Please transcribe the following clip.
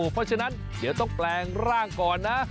เพราะฉะนั้นเดี๋ยวต้องแปลงร่างก่อนนะ